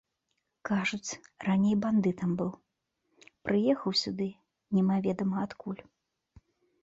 Кажуць, раней бандытам быў, прыехаў сюды немаведама адкуль.